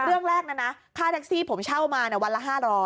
เรื่องแรกนะข้าวแท็กซี่ผมเช่ามาเนี่ยวันละ๕๐๐